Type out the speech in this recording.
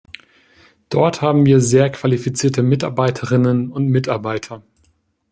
Dort haben wir sehr qualifizierte Mitarbeiterinnen und Mitarbeiter.